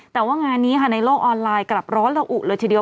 แต่ว่างานนี้ค่ะในโลกออนไลน์กลับร้อนละอุเลยทีเดียว